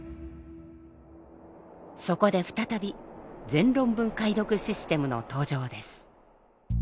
そこで再び全論文解読システムの登場です。